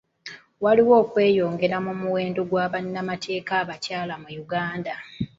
Waliwo okweyongera mu muwendo gwa bannamateeka abakyala mu Uganda.